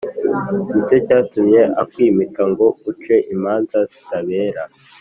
Ni cyo cyatumye akwimika ngo uce imanza zitabera